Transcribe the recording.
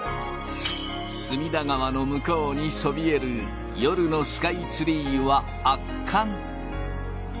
隅田川の向こうにそびえる夜のスカイツリーは圧巻。